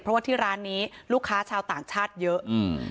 เพราะว่าที่ร้านนี้ลูกค้าชาวต่างชาติเยอะอืม